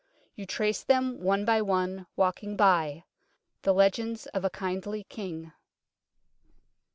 You trace them one by one, walking by ; the legends of a kindly King.